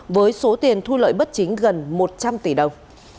với số tiền thu lợi bất chính gần một trăm linh tỷ đồng